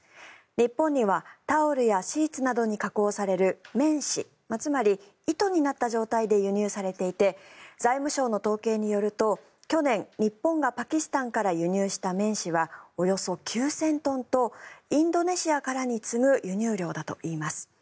日本にはタオルやシーツなどに加工される綿糸つまり、糸になった状態で輸入されていて財務省の統計によると去年、日本がパキスタンから輸入した綿糸はおよそ９０００トンとインドネシアからに次ぐ輸入量だといいます。